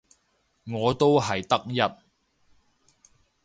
我都係得一